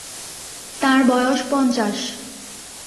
তাঁর বয়স পঞ্চাশ।